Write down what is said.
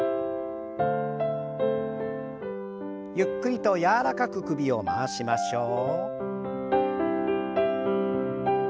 ゆっくりと柔らかく首を回しましょう。